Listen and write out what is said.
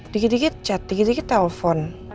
dikit dikit chat dikit dikit telepon